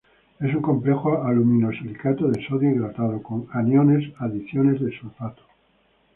Es un complejo alumino-silicato de sodio hidratado, con aniones adiciones de sulfato.